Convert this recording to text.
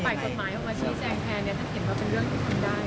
ชี้แจงแท้ถ้าเห็นว่าเป็นเรื่องเหลี่ยวคุณได้